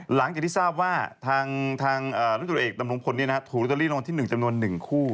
หลังจากที่ทราบว่าทางร่วมจุดเอกตำรงพลนี้นะทรูตอรีนรงค์ที่๑จำนวน๑คู่